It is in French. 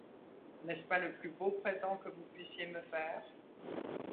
N’est-ce pas le plus beau présent que vous puissiez me faire?